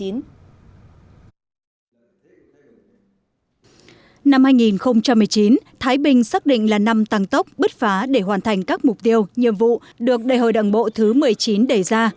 năm hai nghìn một mươi chín thái bình xác định là năm tăng tốc bứt phá để hoàn thành các mục tiêu nhiệm vụ được đại hội đảng bộ thứ một mươi chín đề ra